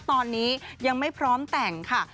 ตอนนี้ยังไม่พร้อมแต่งค่ะ